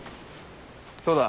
そうだ。